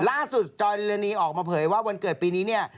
ล่าสุดจอยริรินีออกมาเผยว่าวันเกิดปีนี้เนี่ย